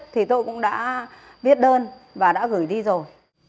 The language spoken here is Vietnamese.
thì tôi cũng đã viết đơn và đã gửi đi rồi